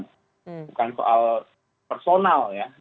bukan soal personal